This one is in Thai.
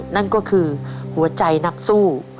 นั่นก็คือหัวใจนักสู้